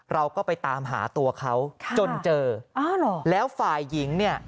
เราก็ไปตามหาตัวเขาจนเจอแล้วฝ่ายหญิงเนี่ย